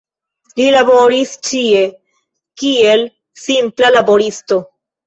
Li laboris ĉie, kiel simpla laboristo.